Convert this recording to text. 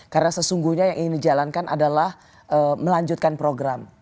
karena sesungguhnya yang ingin dijalankan adalah melanjutkan program